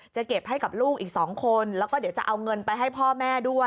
จะเก็บให้กับลูกอีก๒คนแล้วก็เดี๋ยวจะเอาเงินไปให้พ่อแม่ด้วย